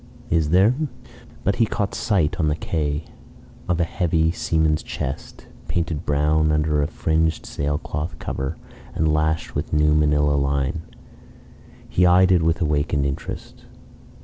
"Is there?" But he caught sight on the quay of a heavy seaman's chest, painted brown under a fringed sailcloth cover, and lashed with new manila line. He eyed it with awakened interest.